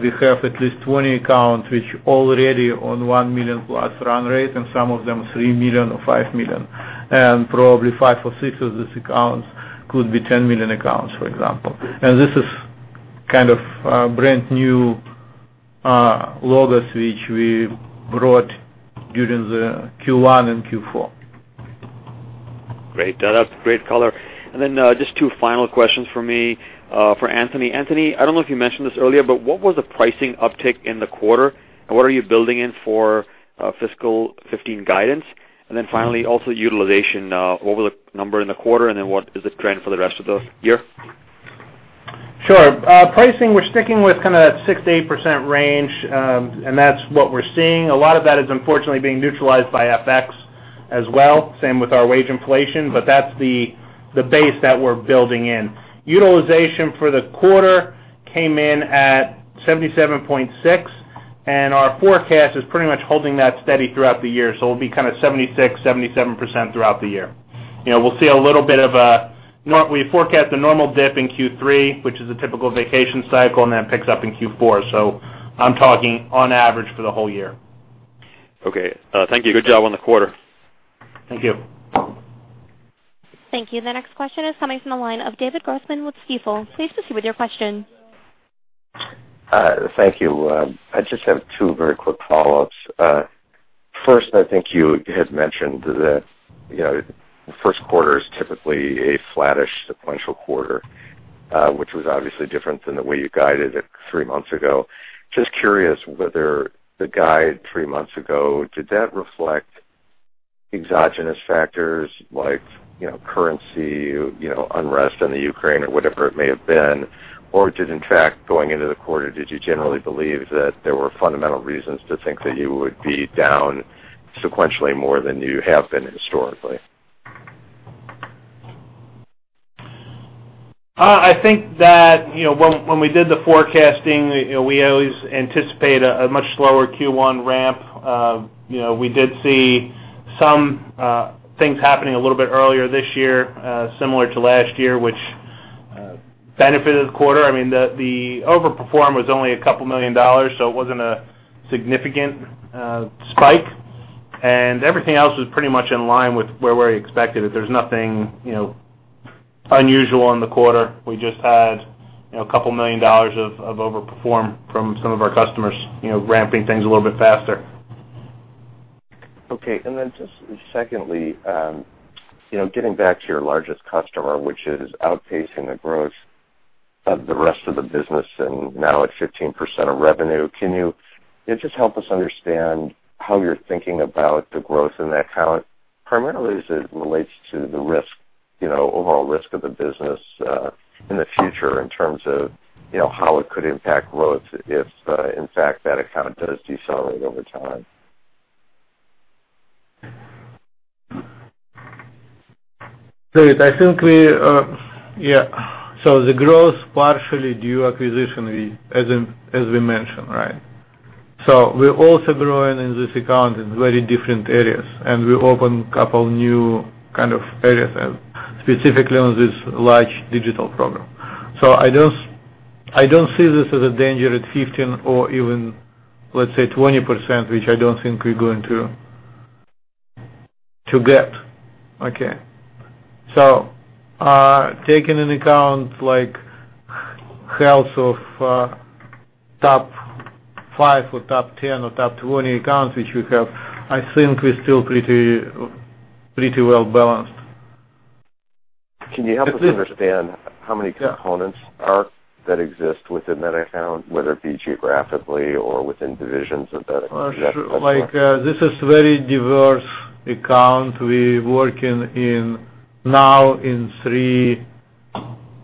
we have at least 20 accounts which already on $1 million-plus run rate, and some of them $3 million or $5 million. And probably five or six of these accounts could be $10 million accounts, for example. And this is-... kind of brand new logos, which we brought during the Q1 and Q4. Great. That's great color. And then, just two final questions for me, for Anthony. Anthony, I don't know if you mentioned this earlier, but what was the pricing uptick in the quarter, and what are you building in for, fiscal 2015 guidance? And then finally, also utilization, what was the number in the quarter, and then what is the trend for the rest of the year? Sure. Pricing, we're sticking with kind of that 6%-8% range, and that's what we're seeing. A lot of that is unfortunately being neutralized by FX as well. Same with our wage inflation, but that's the base that we're building in. Utilization for the quarter came in at 77.6, and our forecast is pretty much holding that steady throughout the year. So it'll be kind of 76%-77% throughout the year. You know, we'll see a little bit of a nor- we forecast a normal dip in Q3, which is a typical vacation cycle, and then it picks up in Q4. So I'm talking on average for the whole year. Okay, thank you. Good job on the quarter. Thank you. Thank you. The next question is coming from the line of David Grossman with Stifel. Please proceed with your question. Thank you. I just have two very quick follow-ups. First, I think you had mentioned that, you know, the Q1 is typically a flattish sequential quarter, which was obviously different than the way you guided it three months ago. Just curious whether the guide three months ago, did that reflect exogenous factors like, you know, currency, you know, unrest in the Ukraine or whatever it may have been? Or did, in fact, going into the quarter, did you generally believe that there were fundamental reasons to think that you would be down sequentially more than you have been historically? I think that, you know, when we did the forecasting, you know, we always anticipate a much slower Q1 ramp. You know, we did see some things happening a little bit earlier this year, similar to last year, which benefited the quarter. I mean, the overperform was only $2 million, so it wasn't a significant spike. Everything else was pretty much in line with where we expected it. There's nothing, you know, unusual in the quarter. We just had, you know, $2 million of overperform from some of our customers, you know, ramping things a little bit faster. Okay. And then just secondly, you know, getting back to your largest customer, which is outpacing the growth of the rest of the business and now at 15% of revenue, can you just help us understand how you're thinking about the growth in that account, primarily as it relates to the risk, you know, overall risk of the business, in the future, in terms of, you know, how it could impact growth if, in fact, that account does decelerate over time? David, I think we, yeah. So the growth partially due acquisition, we, as in, as we mentioned, right? So we're also growing in this account in very different areas, and we open a couple new kind of areas, specifically on this large digital program. So I don't, I don't see this as a danger at 15 or even, let's say, 20%, which I don't think we're going to, to get. Okay. So, taking into account, like, health of, top five or top 10 or top 20 accounts, which we have, I think we're still pretty, pretty well balanced. Can you help us understand how many components are that exist within that account, whether it be geographically or within divisions of that account? Sure. Like, this is very diverse account. We working in now in three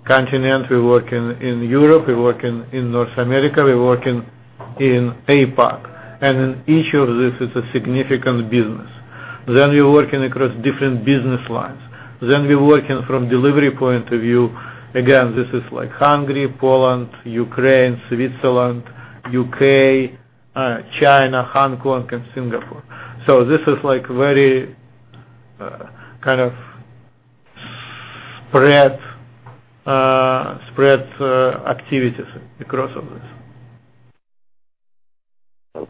continents. We work in Europe, we work in North America, we work in APAC. And in each of this is a significant business. Then we're working across different business lines. Then we're working from delivery point of view. Again, this is like Hungary, Poland, Ukraine, Switzerland, UK, China, Hong Kong, and Singapore. So this is like very kind of spread spread activities across all this.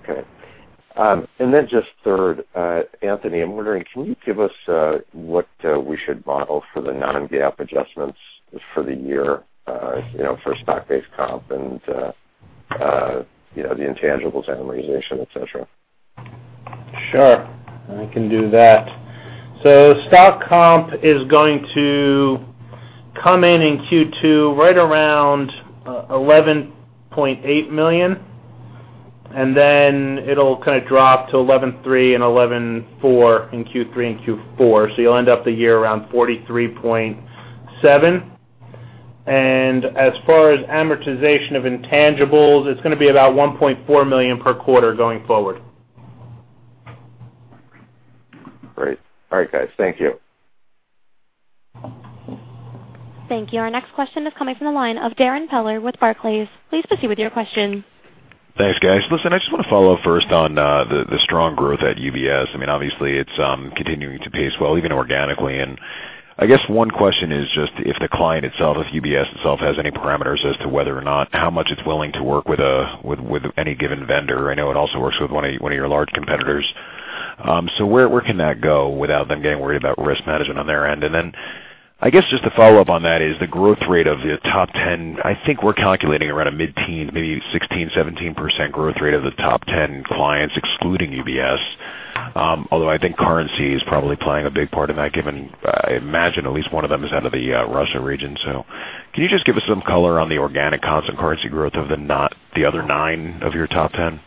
Okay. And then just third, Anthony, I'm wondering, can you give us what we should model for the non-GAAP adjustments for the year, you know, for stock-based comp and you know, the intangibles, amortization, et cetera? Sure, I can do that. Stock comp is going to come in in Q2, right around $11.8 million, and then it'll kind of drop to $11.3 million and $11.4 million in Q3 and Q4. You'll end up the year around $43.7 million. As far as amortization of intangibles, it's gonna be about $1.4 million per quarter going forward. Great. All right, guys. Thank you. Thank you. Our next question is coming from the line of Darrin Peller with Barclays. Please proceed with your question. Thanks, guys. Listen, I just want to follow up first on the strong growth at UBS. I mean, obviously, it's continuing to pace well, even organically. And I guess one question is just if the client itself, if UBS itself, has any parameters as to whether or not how much it's willing to work with any given vendor. I know it also works with one of your large competitors.... so where, where can that go without them getting worried about risk management on their end? And then I guess just to follow up on that, is the growth rate of the top 10. I think we're calculating around a mid-teen, maybe 16-17% growth rate of the top 10 clients, excluding UBS. Although I think currency is probably playing a big part in that, given I imagine at least one of them is out of the Russia region. So can you just give us some color on the organic constant currency growth of the other nine of your top 10?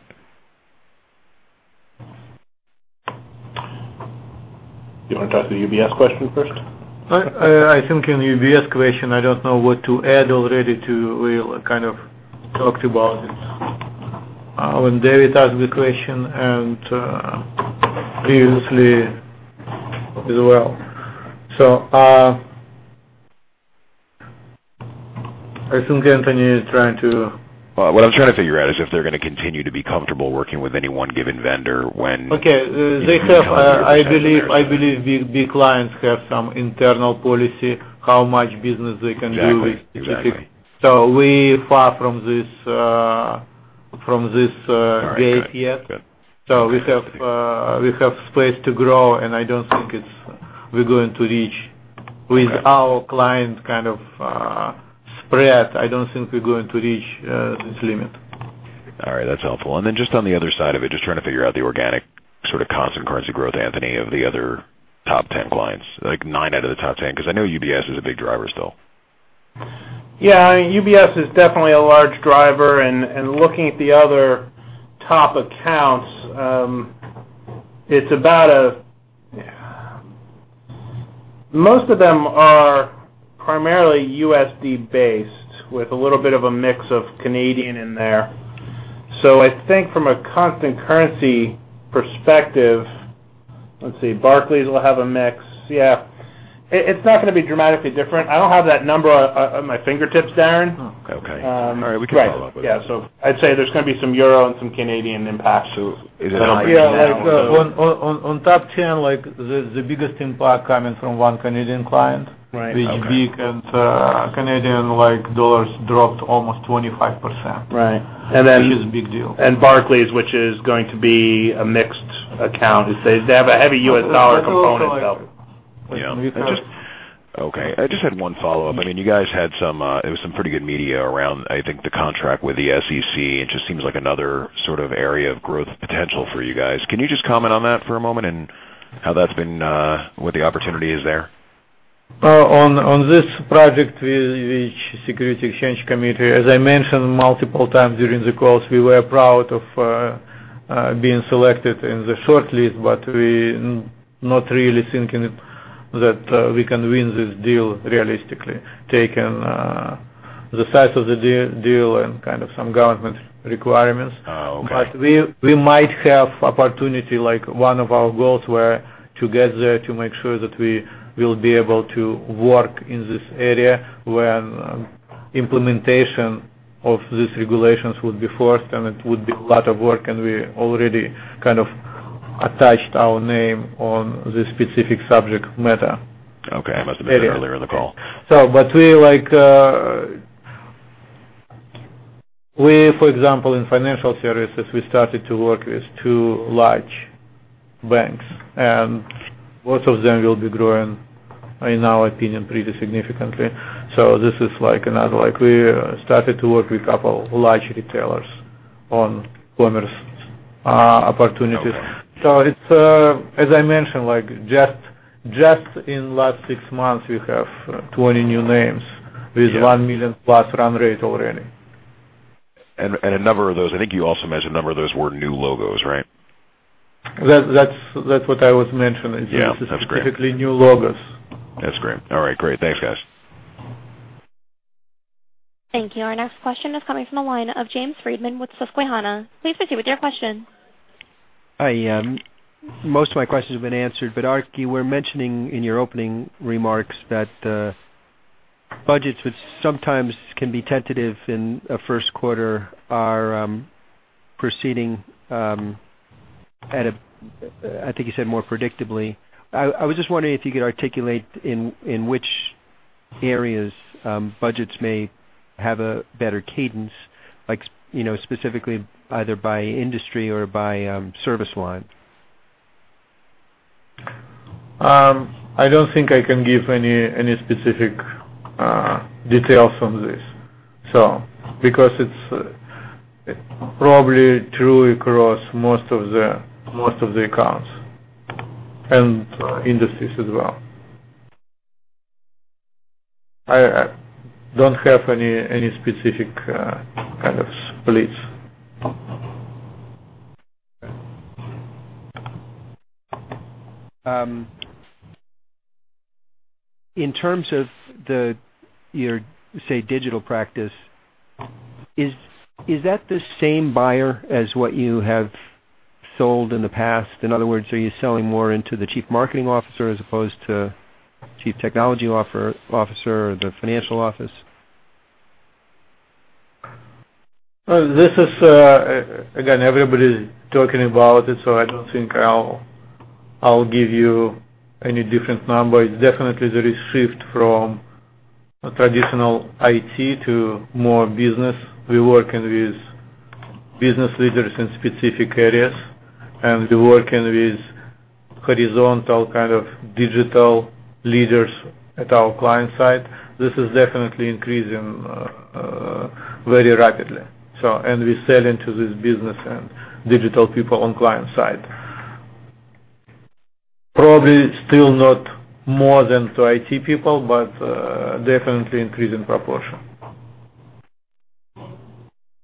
You want to talk to the UBS question first? I think in UBS question, I don't know what to add already to we kind of talked about it, when David asked the question and, previously as well. So, I think Anthony is trying to- Well, what I'm trying to figure out is if they're gonna continue to be comfortable working with any one given vendor when- Okay. They have, I believe, the clients have some internal policy, how much business they can do with- Exactly. So we far from this gate yet. Good. So we have space to grow, and I don't think it's we're going to reach with our client kind of spread. I don't think we're going to reach this limit. All right. That's helpful. And then just on the other side of it, just trying to figure out the organic, sort of constant currency growth, Anthony, of the other top 10 clients, like nine out of the top 10, because I know UBS is a big driver still. Yeah. UBS is definitely a large driver, and, and looking at the other top accounts, it's about a... Most of them are primarily USD based, with a little bit of a mix of Canadian in there. So I think from a constant currency perspective, let's see, Barclays will have a mix. Yeah. It, it's not gonna be dramatically different. I don't have that number on, on my fingertips, Darrin. Oh, okay. All right. We can follow up with it. Yeah. So I'd say there's gonna be some Euro and some Canadian impact. So is it- Yeah, on top 10, like, the biggest impact coming from one Canadian client. Right. Which is big, and Canadian, like, dollars dropped almost 25%. Right. And then- It is a big deal. Barclays, which is going to be a mixed account. They have a heavy U.S. dollar component, so. Yeah. Okay. I just had one follow-up. I mean, you guys had some, it was some pretty good media around, I think, the contract with the SEC. It just seems like another sort of area of growth potential for you guys. Can you just comment on that for a moment and how that's been, what the opportunity is there? On this project with the Securities and Exchange Commission, as I mentioned multiple times during the calls, we were proud of being selected in the short list, but we not really thinking that we can win this deal realistically, taking the size of the deal and kind of some government requirements. Oh, okay. But we might have opportunity, like one of our goals were to get there, to make sure that we will be able to work in this area when implementation of these regulations would be forced, and it would be a lot of work, and we already kind of attached our name on this specific subject matter. Okay. It must have been earlier in the call. So, but we like, we for example, in financial services, we started to work with two large banks, and both of them will be growing, in our opinion, pretty significantly. So this is like another, like, we started to work with a couple large retailers on commerce opportunities. So it's, as I mentioned, like, just, just in last six months, we have 20 new names- Yeah. - with $1 million+ run rate already. A number of those, I think you also mentioned a number of those were new logos, right? That's what I was mentioning. Yeah, that's great. Typically, new logos. That's great. All right, great. Thanks, guys. Thank you. Our next question is coming from the line of Jamie Friedman with Susquehanna. Please proceed with your question. I, most of my questions have been answered, but Arkadiy, you were mentioning in your opening remarks that, budgets, which sometimes can be tentative in a Q1, are, proceeding, at a, I think you said more predictably. I was just wondering if you could articulate in which areas, budgets may have a better cadence, like, you know, specifically either by industry or by, service line. I don't think I can give any specific details on this. Because it's probably true across most of the accounts and industries as well. I don't have any specific kind of splits. In terms of your, say, digital practice, is that the same buyer as what you have sold in the past? In other words, are you selling more into the Chief Marketing Officer as opposed to Chief Technology Officer or the Chief Financial Officer? This is, again, everybody's talking about it, so I don't think I'll give you any different number. It's definitely the shift from a traditional IT to more business. We working with business leaders in specific areas, and we working with horizontal kind of digital leaders at our client site. This is definitely increasing very rapidly. And we sell into this business and digital people on client side. Probably still not more than to IT people, but definitely increase in proportion.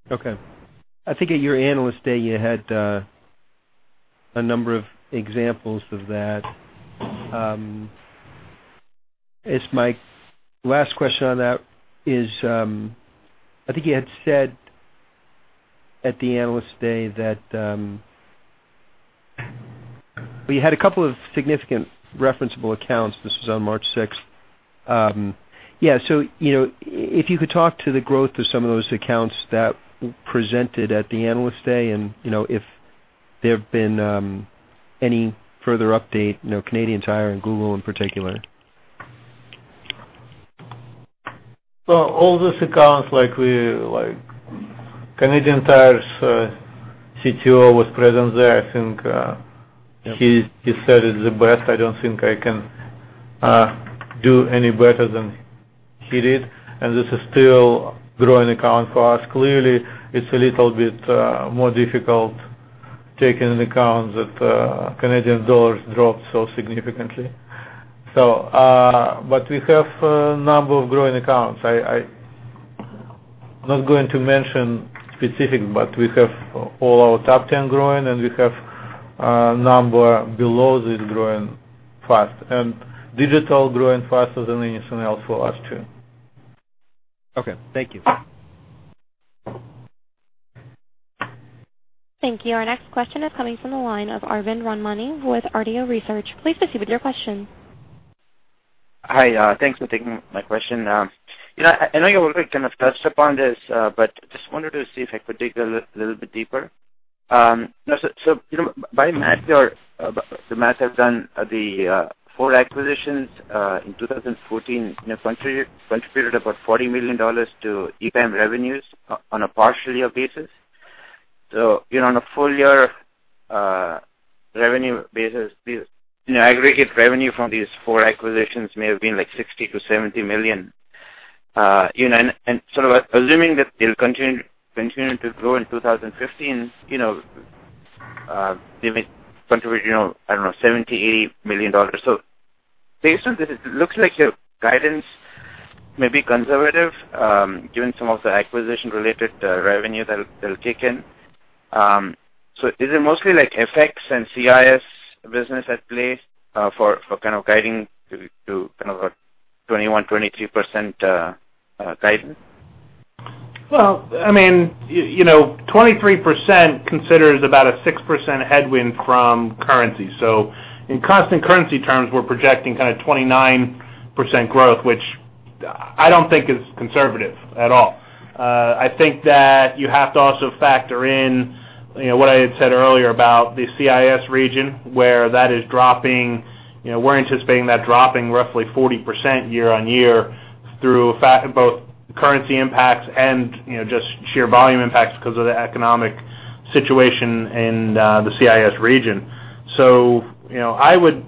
Okay. I think at your Analyst Day, you had a number of examples of that. As my last question on that is, I think you had said at the Analyst Day that, well, you had a couple of significant referenceable accounts. This was on March sixth. Yeah, so, you know, if you could talk to the growth of some of those accounts that presented at the Analyst Day, and, you know, if there have been any further update, you know, Canadian Tire and Google in particular. So all those accounts, like Canadian Tire's CTO was present there. I think he said it the best. I don't think I can do any better than he did, and this is still growing account for us. Clearly, it's a little bit more difficult, taking into account that Canadian dollar dropped so significantly. So but we have a number of growing accounts. I'm not going to mention specific, but we have all our top 10 growing, and we have number below this growing fast. And digital growing faster than anything else for us, too. Okay, thank you. Thank you. Our next question is coming from the line of Arvind Ramnani with Global Hunter Securities. Please proceed with your question. Hi, thanks for taking my question. You know, I know you already kind of touched upon this, but just wanted to see if I could dig a little bit deeper. So, you know, by math, your, the math I've done, the four acquisitions in 2014, you know, contributed about $40 million to EPAM revenues on a partial year basis. So, you know, on a full year revenue basis, you know, aggregate revenue from these four acquisitions may have been, like, $60 million-$70 million. You know, and sort of assuming that they'll continue to grow in 2015, you know, they may contribute, you know, I don't know, $70 million-$80 million. So based on this, it looks like your guidance may be conservative, given some of the acquisition-related revenue that'll kick in. So is it mostly like FX and CIS business at play, for kind of guiding to kind of a 21%-23% guidance? Well, I mean, you know, 23% considers about a 6% headwind from currency. So in constant currency terms, we're projecting kind of 29% growth, which I don't think is conservative at all. I think that you have to also factor in, you know, what I had said earlier about the CIS region, where that is dropping. You know, we're anticipating that dropping roughly 40% year-on-year through both currency impacts and, you know, just sheer volume impacts because of the economic situation in the CIS region. So, you know, I would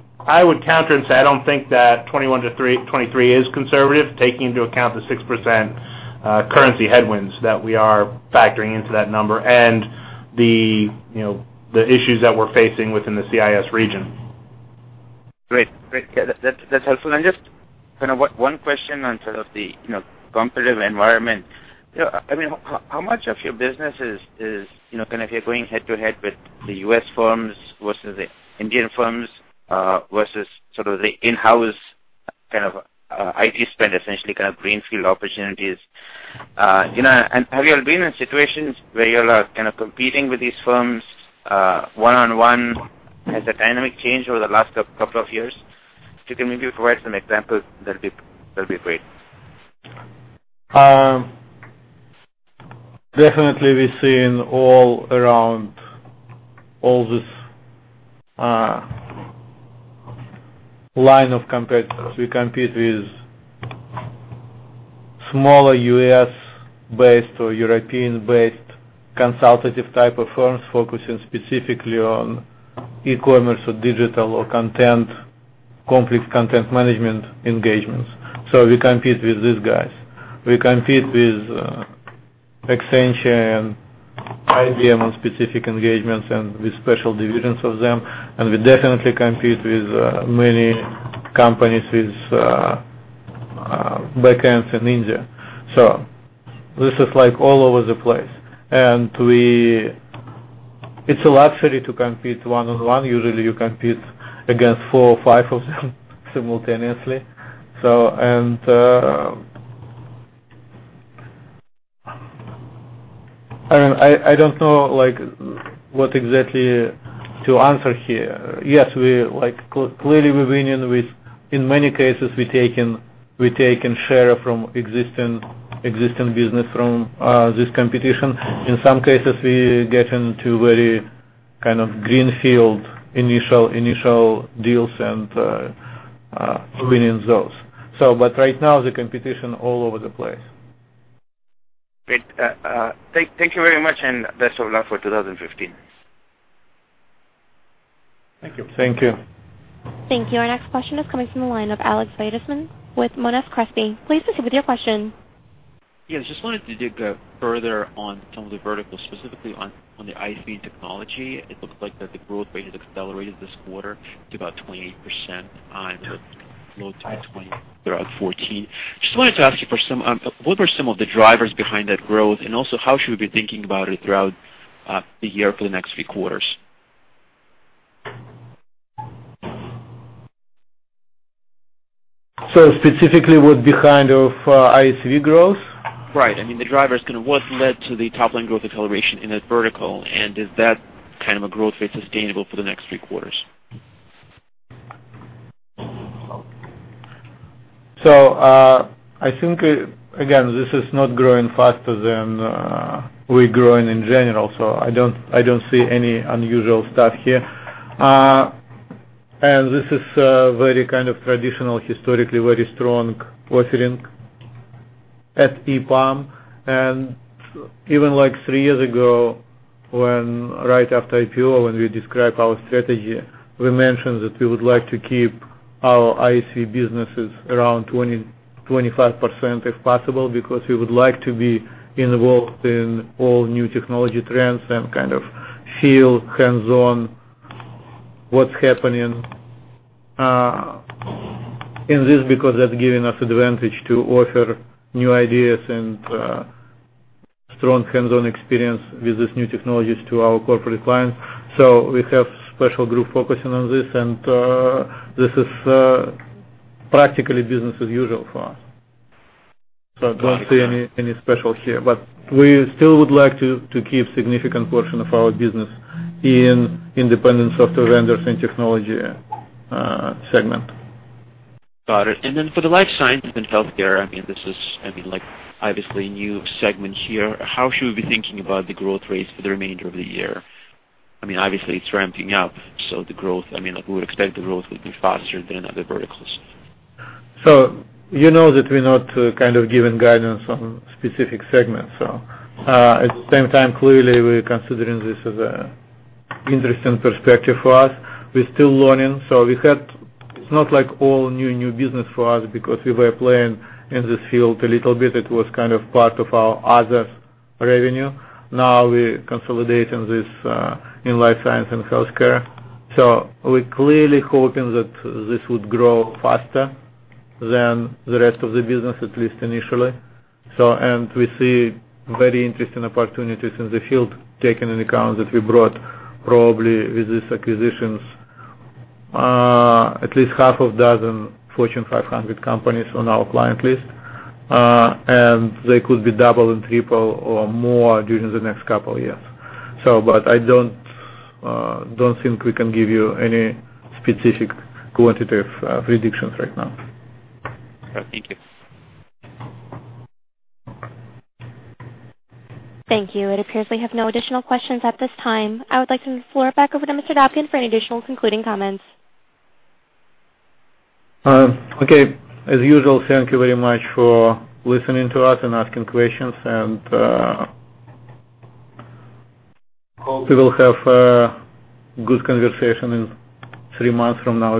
counter and say, I don't think that 21%-23% is conservative, taking into account the 6% currency headwinds that we are factoring into that number and the, you know, the issues that we're facing within the CIS region. Great. Great. Yeah, that's helpful. And just kind of one question on sort of the, you know, competitive environment. You know, I mean, how much of your business is, you know, kind of, you're going head to head with the US firms versus the Indian firms, versus sort of the in-house, kind of, IT spend, essentially, kind of, greenfield opportunities? You know, and have you all been in situations where you all are kind of competing with these firms, one-on-one? Has the dynamic changed over the last couple of years? If you can maybe provide some examples, that'd be great. Definitely, we've seen all around all this, line of competitors. We compete with smaller U.S.-based or European-based consultative type of firms, focusing specifically on e-commerce or digital or content, complex content management engagements. So we compete with these guys. We compete with, Accenture and IBM on specific engagements and with special divisions of them, and we definitely compete with, many companies with, back ends in India. So this is, like, all over the place. And it's a luxury to compete one-on-one. Usually, you compete against four or five of them simultaneously. So, and, I don't know, like, what exactly to answer here. Yes, we like, clearly, we win in with... In many cases, we've taken share from existing business from, this competition. In some cases, we get into very-... Kind of greenfield initial deals and winning those. But right now, the competition all over the place. Great. Thank you very much, and best of luck for 2015. Thank you. Thank you. Thank you. Our next question is coming from the line of Alex Veytsman with Monness Crespi. Please proceed with your question. Yes, just wanted to dig further on some of the verticals, specifically on, on the ISV technology. It looks like that the growth rate has accelerated this quarter to about 28% on low 20 throughout 2014. Just wanted to ask you for some, what were some of the drivers behind that growth, and also how should we be thinking about it throughout the year for the next three quarters? So specifically, what behind of ISV growth? Right. I mean, the drivers, kind of, what led to the top line growth acceleration in that vertical, and is that kind of a growth rate sustainable for the next three quarters? So, I think, again, this is not growing faster than we're growing in general, so I don't, I don't see any unusual stuff here. And this is a very kind of traditional, historically very strong offering at EPAM. And even like three years ago, when right after IPO, when we described our strategy, we mentioned that we would like to keep our IC businesses around 20-25%, if possible, because we would like to be involved in all new technology trends and kind of feel hands-on what's happening in this, because that's giving us advantage to offer new ideas and strong hands-on experience with these new technologies to our corporate clients. So we have special group focusing on this, and this is practically business as usual for us. So I don't see any special here, but we still would like to keep significant portion of our business in independent software vendors and technology segment. Got it. And then for the life science and healthcare, I mean, this is, I mean, like, obviously a new segment here. How should we be thinking about the growth rates for the remainder of the year? I mean, obviously, it's ramping up, so the growth, I mean, like, we would expect the growth would be faster than other verticals. So you know that we're not, kind of giving guidance on specific segments. So, at the same time, clearly, we're considering this as an interesting perspective for us. We're still learning, so we had... It's not like all new, new business for us because we were playing in this field a little bit. It was kind of part of our other revenue. Now we're consolidating this, in life science and healthcare. So we're clearly hoping that this would grow faster than the rest of the business, at least initially. So, and we see very interesting opportunities in the field, taking into account that we brought probably with these acquisitions, at least half a dozen Fortune 500 companies on our client list. And they could be double and triple or more during the next couple of years. But I don't think we can give you any specific quantitative predictions right now. Thank you. Thank you. It appears we have no additional questions at this time. I would like to turn the floor back over to Mr. Dobkin for any additional concluding comments. Okay. As usual, thank you very much for listening to us and asking questions, and hope we will have a good conversation in three months from now again.